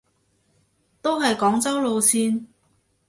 都係廣州路線